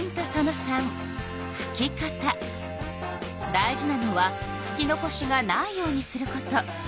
大事なのはふき残しがないようにすること。